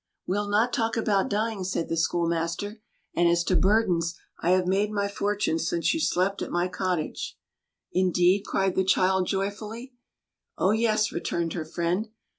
"We'll not talk about dying," said the schoolmaster; "and as to burdens, I have made my fortune since you slept at my cottage." "Indeed!" cried the child joyfully. "Oh yes," returned her friend.